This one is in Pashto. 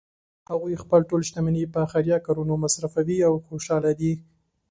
هغوی خپله ټول شتمني په خیریه کارونو مصرفوی او خوشحاله دي